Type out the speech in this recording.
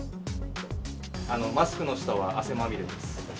マスクの下は汗まみれです。